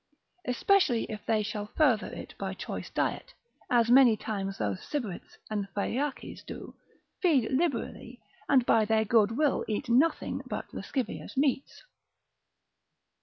Especially if they shall further it by choice diet, as many times those Sybarites and Phaeaces do, feed liberally, and by their good will eat nothing else but lascivious meats.